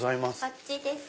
こっちです。